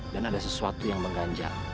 dan ada sesuatu yang mengganjal